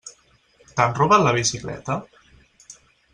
T'han robat la bicicleta?